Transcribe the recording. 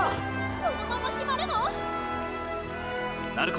このまま決まるの⁉鳴子！！